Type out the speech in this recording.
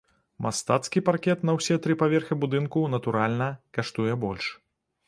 Мастацкі паркет на ўсе тры паверхі будынку, натуральна, каштуе больш.